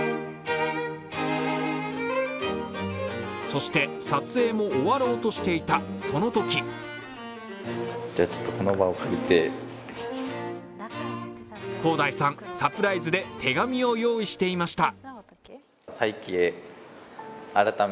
そして、撮影も終わろうとしていたそのとき晃大さん、サプライズで手紙を用意していました。